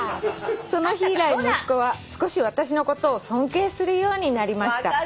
「その日以来息子は少し私のことを尊敬するようになりました」